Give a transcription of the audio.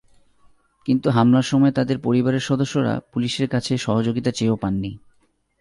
কিন্তু হামলার সময় তাঁদের পরিবারের সদস্যরা পুলিশের কাছে সহযোগিতা চেয়েও পাননি।